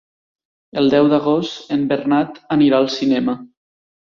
El deu d'agost en Bernat anirà al cinema.